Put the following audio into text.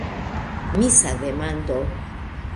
Misa demando.